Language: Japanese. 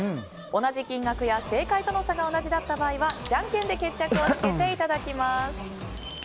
同じ金額や正解との差が同じだった場合はじゃんけんで決着をつけていただきます。